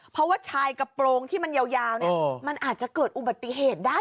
เพราะว่าชายกระโปรงที่มันยาวมันอาจจะเกิดอุบัติเหตุได้